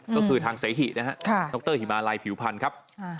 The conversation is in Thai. ก็คือทางเศษหิน็อคเตอร์หิมาลัยผิวพันธุ์ครับ